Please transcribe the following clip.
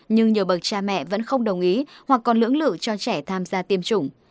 nhưng nhiều bậc cha mẹ vẫn không đồng ý hoặc còn lưỡng lự cho trẻ tham gia tiêm chủng